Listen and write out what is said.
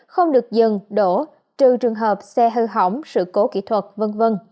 không được dừng đổ trừ trường hợp xe hư hỏng sự cố kỹ thuật v v